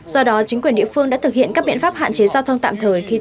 do đó chính quyền địa phương đã thực hiện các biện pháp hạn chế giao thông tạm